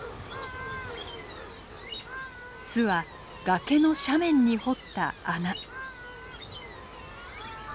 巣は崖の斜面に掘った穴。